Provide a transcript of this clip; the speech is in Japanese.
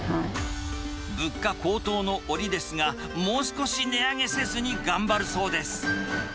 物価高騰の折ですが、もう少し値上げせずに頑張るそうです。